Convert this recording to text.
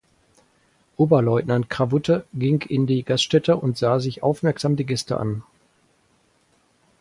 Oberleutnant Krawutte ging in die Gaststätte und sah sich aufmerksam die Gäste an.